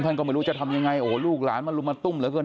ก็ไม่รู้จะทำยังไงโอ้โหลูกหลานมาลุมมาตุ้มเหลือเกิน